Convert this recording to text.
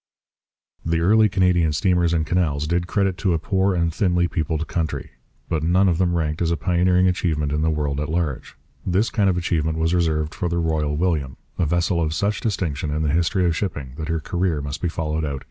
The early Canadian steamers and canals did credit to a poor and thinly peopled country. But none of them ranked as a pioneering achievement in the world at large. This kind of achievement was reserved for the Royal William, a vessel of such distinction in the history of shipping that her career must be followed out in detail.